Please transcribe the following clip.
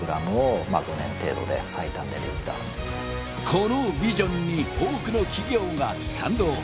このビジョンに多くの企業が賛同。